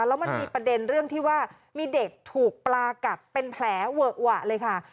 แล้วมันมีประเด็นเรื่องที่ว่ามีเด็กถูกปลากัดเป็นแผลเวอะหวะเลยค่ะ